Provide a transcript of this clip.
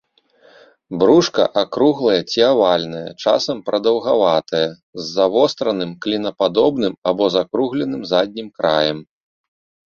Брушка акруглае ці авальнае, часам прадаўгаватае, з завостраным, клінападобным або закругленым заднім краем.